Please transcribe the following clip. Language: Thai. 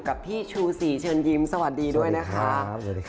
ดูเธอไม่อยู่